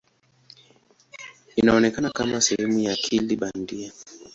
Inaonekana kama sehemu ya akili bandia.